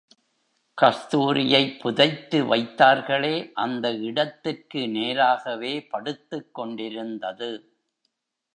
கஸ்தூரியைப் புதைத்து வைத்தார்களே, அந்த இடத்துக்கு நேராகவே படுத்துக்கொண்டிருந்தது!